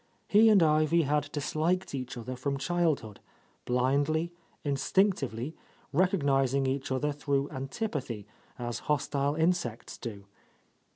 He and Ivy had disliked each other from childhood, blindly, instinctively, recognizing each other through antipathy, as hostile insects do.